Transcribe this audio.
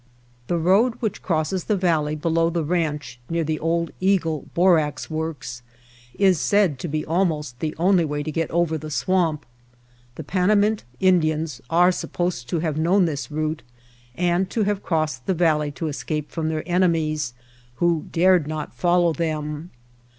The road which crosses the valley below the ranch near the old Eagle Borax Works is said to be almost the only way to get over the swamp. The Panamint Indians are supposed to have known this route and to have crossed the valley to escape from their enemies, who dared not follow them.